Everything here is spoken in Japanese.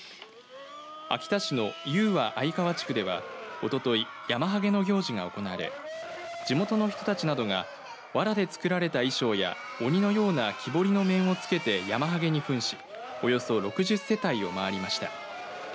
秋田市の雄和相川地区ではおとといヤマハゲの行事が行われ地元の人たちなどがわらで作られた衣装や鬼のような木彫りの面をつけてヤマハゲにふんしおよそ６０世帯を回りました。